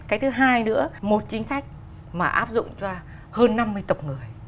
cái thứ hai nữa một chính sách mà áp dụng cho hơn năm mươi tộc người